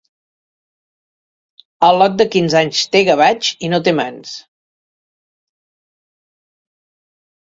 Al·lot de quinze anys té gavatx i no té mans.